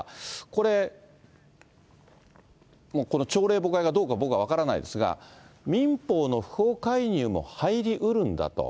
これ、もうこの朝令暮改かどうか僕は分からないですが、民法の不法介入も入りうるんだと。